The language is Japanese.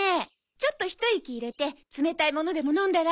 ちょっと一息入れて冷たいものでも飲んだら？